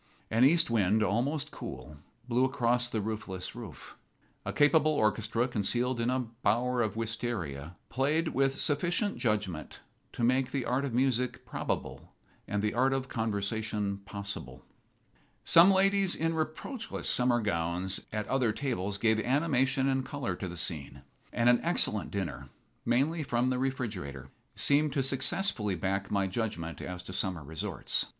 An east wind, almost cool, blew across the roofless roof. A capable orchestra concealed in a bower of wistaria played with sufficient judgment to make the art of music probable and the art of conversation possible. Some ladies in reproachless summer gowns at other tables gave animation and color to the scene. And an excellent dinner, mainly from the refrigerator, seemed to successfully back my judgment as to summer resorts.